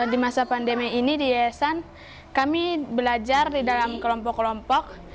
di masa pandemi ini di yayasan kami belajar di dalam kelompok kelompok